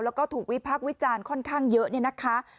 แล้วก็ถูกวิพักวิจารณ์ค่อนข้างเยอะ